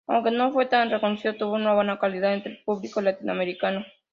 Aunque no fue tan reconocida, tuvo buena popularidad entre el público latinoamericano.